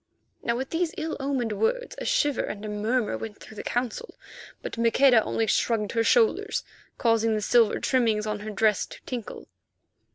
Now at these ill omened words a shiver and a murmur went through the Council. But Maqueda only shrugged her shoulders, causing the silver trimmings on her dress to tinkle.